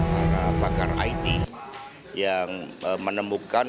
para pakar it yang menemukan